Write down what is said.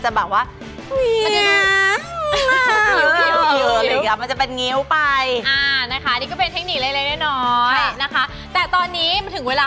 จะแบบว่าเฮี้ย